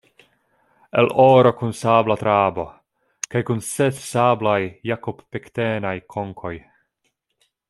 El oro kun sabla trabo kaj kun ses sablaj jakob-pektenaj konkoj.